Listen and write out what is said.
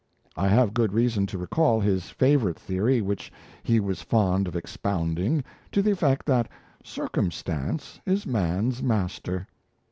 I have good reason to recall his favourite theory, which he was fond of expounding, to the effect that circumstance is man's master.